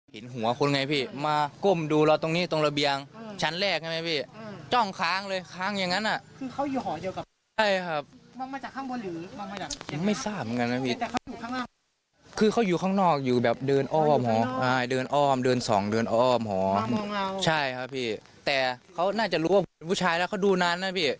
แต่เขาน่าจะรู้ว่าผมเป็นผู้ชายแล้วเขาดูนานนะพี่